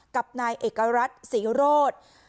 กับนายเอกรัฐศรีโรธ